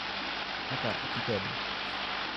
أقرأ كتاباً.